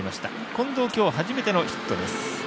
近藤、今日、初めてのヒットです。